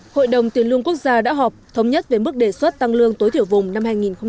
hội đồng tiến lương quốc gia đã họp thống nhất về mức đề xuất tăng lương tối thiểu vùng năm hai nghìn một mươi chín